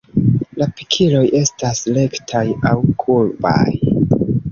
La pikiloj estas rektaj aŭ kurbaj.